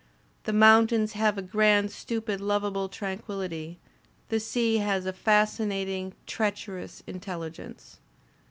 The moun tains have a grand, stupid, lovable tranquillity; the sea has a fascinating, treacherous intelligence.